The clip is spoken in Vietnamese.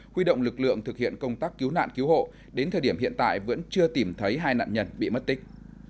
huy động lực lượng thực hiện công tác cứu nạn cứu hộ đến thời điểm hiện tại vẫn chưa tìm thấy hai nạn nhân bị mất tích